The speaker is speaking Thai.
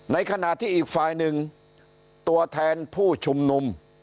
ในขณะที่อีกฝ่ายหนึ่งตัวแทนผู้ชุมนุม